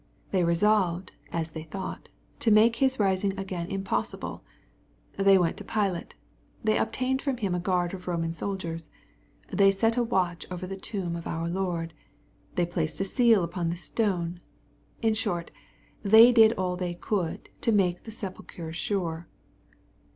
*' They resolved, as they thought, to make His rising again im^ possible. They went to Pilate. They obtained from him a guard of Roman soldiers. They set a watch over the tomb of our Lord. They placed a seal upon the stone. In short, they did all they could to " make the sepulchre sure."